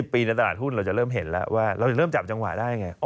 ปีในตลาดหุ้นเราจะเริ่มเห็นแล้วว่าเราจะเริ่มจับจังหวะได้ไง